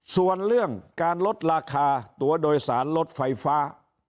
ส่วนเรื่องการลดราคาตัวโดยสารลดไฟฟ้า